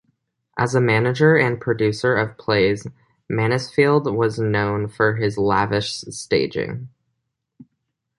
As a manager and producer of plays, Mansfield was known for his lavish staging.